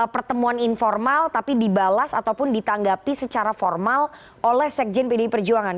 pertemuan informal tapi dibalas ataupun ditanggapi secara formal oleh sekjen pdi perjuangan